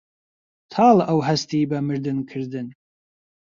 تاڵە ئەو هەستی بە مردن کردن